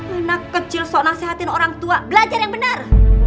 anak kecil sok nasihatin orang tua belajar yang benar